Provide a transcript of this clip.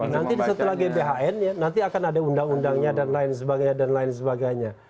nanti setelah gbhn ya nanti akan ada undang undangnya dan lain sebagainya